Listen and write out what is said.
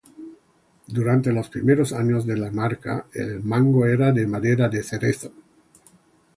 Durante los primeros años de la marca, el mango era de madera de cerezo.